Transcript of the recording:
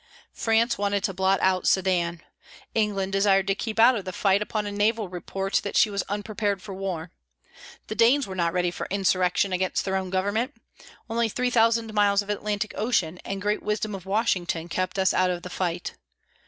France wanted to blot out Sedan. England desired to keep out of the fight upon a naval report that she was unprepared for war. The Danes were ready for insurrection against their own Government. Only 3,000 miles of Atlantic Ocean and great wisdom of Washington kept us out of the fight.